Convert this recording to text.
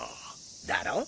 だろ？